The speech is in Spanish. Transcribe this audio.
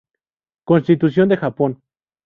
Constitución de Japón.